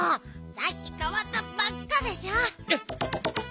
さっきかわったばっかでしょ！